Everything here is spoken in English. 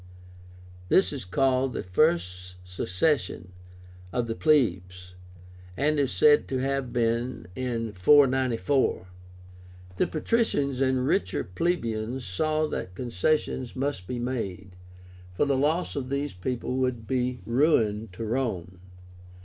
This is called the First Secession of the Plebs, and is said to have been in 494. The patricians and richer plebeians saw that concessions must be made, for the loss of these people would be ruin to Rome.